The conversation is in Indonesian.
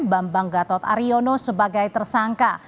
bambang gatot ariono sebagai tersangka